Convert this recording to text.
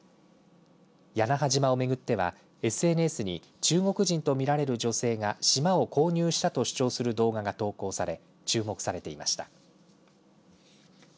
屋那覇島を巡ってはＳＮＳに中国人と見られる女性が島を購入したと主張する動画が投稿され注目されていました。